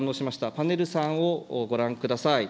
パネル３をご覧ください。